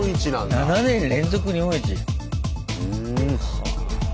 ７年連続日本一！